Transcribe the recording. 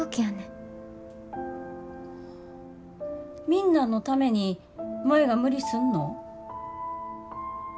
みんなのために舞が無理すんの？